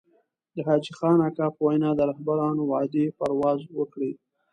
د حاجي خان اکا په وينا د رهبرانو وعدې پرواز وکړي.